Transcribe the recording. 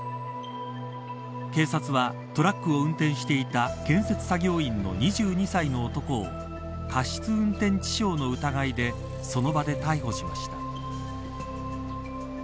警察は、トラックを運転していた建設作業員の２２歳の男を過失運転致傷の疑いでその場で逮捕しました。